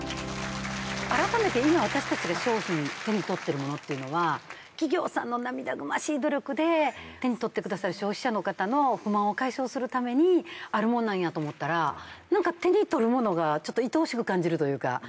改めて今私たちが商品手に取ってるものっていうのは企業さんの涙ぐましい努力で手に取ってくださる消費者の方の不満を解消するためにあるもんなんやと思ったらなんか手に取るものがちょっと愛おしく感じるというか。